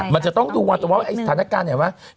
มันจะต้องดูวันต่อวันสถานการณ์เห็นไหม